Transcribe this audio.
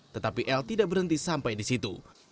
tetapi l tidak berhenti sampai di situ